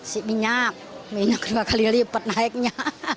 si minyak minyak dua kali lipat naiknya